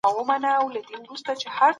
ولي پههرات کي د صنعت لپاره فابریکې زیاتېږي؟